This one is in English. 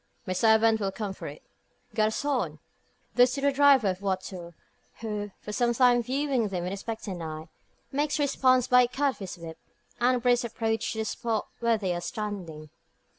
My servant will come for it. Garcon!" This to the driver of a voiture, who, for some time viewing them with expectant eye, makes response by a cut of his whip, and brisk approach to the spot where they are standing.